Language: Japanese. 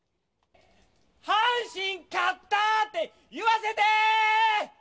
阪神勝った！って言わせてー！